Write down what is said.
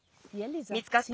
見つかった？